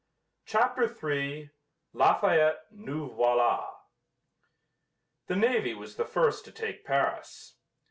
CHAPTER III LAFAYETTE, NOUS VOILÀ The navy was the first to take Paris.